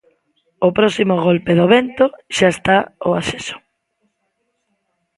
O próximo golpe de vento xa está ó axexo.